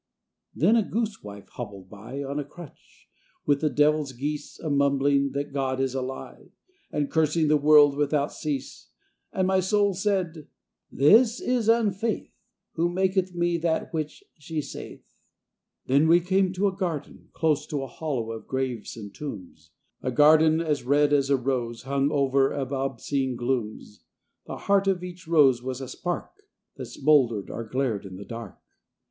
Then a goose wife hobbled by, On a crutch, with the devil's geese, A mumbling that God is a lie, And cursing the world without cease. And my soul said, "This is Unfaith Who maketh me that which she saith." Then we came to a garden, close To a hollow of graves and tombs; A garden as red as a rose, Hung over of obscene glooms; The heart of each rose was a spark That smouldered or glared in the dark.